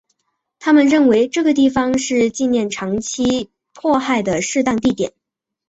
他们认为这个地方是纪念长期迫害的适当地点。